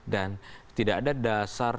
dan tidak ada dasar